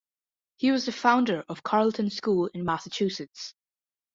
He was the founder of Carleton School in Massachusetts.